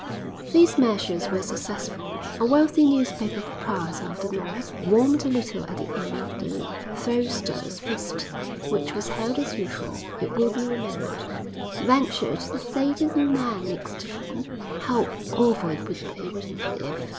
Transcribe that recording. These measures were successful. A wealthy newspaper proprietor of the North, warmed a little at the end of the Throwsters' Feast (which was held as usual, it will be remembered), ventured to say to the man next to him: "How awful it would be, wouldn't it, if...."